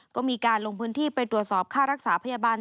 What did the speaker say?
ก็มีการลงพื้นที่ไปตรวจสอบค่ารักษาพยาบาล